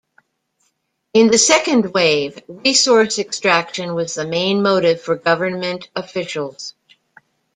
In the second wave, resource extraction was the main motive for government officials.